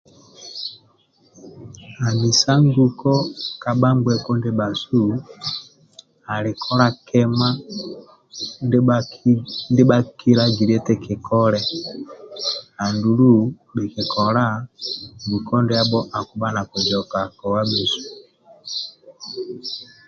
Anisa nguko ka bhangbeku ndibjasu ali kola kima ndia bhakilagili eti kikoli andulu nguko ndiabho akibha nakizoka kowa bhesu